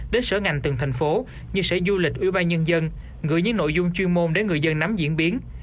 đến sở ngành từng thành phố như sở du lịch ubnd gửi những nội dung chuyên môn để người dân nắm diễn biến